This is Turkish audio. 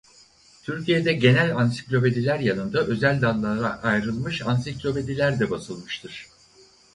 Türkiye'de genel ansiklopediler yanında özel dallara ayrılmış ansiklopediler de basılmıştır.